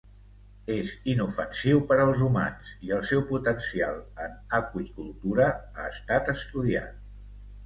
És inofensiu per als humans i el seu potencial en aqüicultura ha estat estudiat.